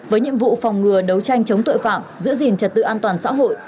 với nhiệm vụ phòng ngừa đấu tranh chống tội phạm giữ gìn trật tự an toàn xã hội